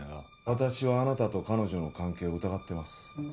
私はあなたと彼女の関係を疑ってます